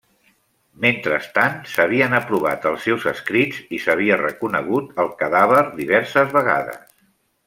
Mentrestant, s'havien aprovat els seus escrits i s'havia reconegut el cadàver diverses vegades.